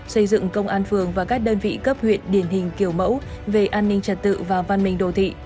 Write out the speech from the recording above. xây dựng công an phường và các đơn vị cấp huyện điển hình kiểu mẫu về an ninh trật tự và văn minh đồ thị